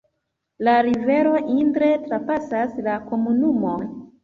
La rivero Indre trapasas la komunumon.